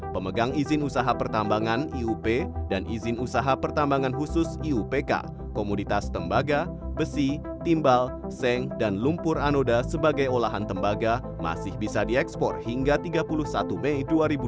pemegang izin usaha pertambangan iup dan izin usaha pertambangan khusus iupk komoditas tembaga besi timbal seng dan lumpur anoda sebagai olahan tembaga masih bisa diekspor hingga tiga puluh satu mei dua ribu dua puluh